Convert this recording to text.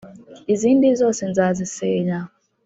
izindi zose nzazisenya